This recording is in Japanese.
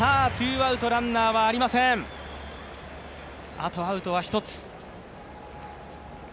あとアウトは１つ。